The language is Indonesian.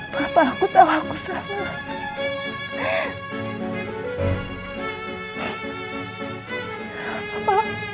berapa aku tahu aku salah